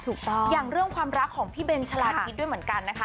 ถูกต้องอย่างเรื่องความรักของพี่เบนฉลาดคิดด้วยเหมือนกันนะคะ